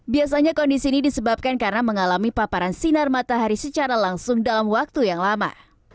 biasanya kondisi ini disebabkan karena mengalami paparan sinar matahari secara langsung dalam waktu yang lama